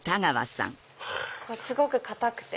すごく硬くて。